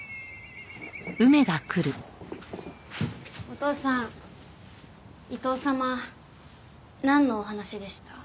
お父さん伊藤様なんのお話でした？